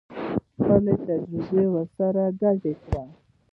خپله تجربه ورسره ګډه کړو.